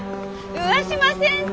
上嶋先生？